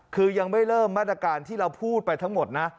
คือยังไม่เริ่มมาตรการที่เราพูดไปทั้งหมดนะ